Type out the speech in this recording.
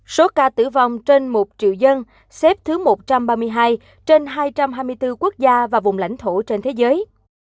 số ca tử vong trên một triệu dân xếp thứ một trăm ba mươi hai trên hai trăm hai mươi bốn quốc gia và vùng lãnh thổ trên thế giới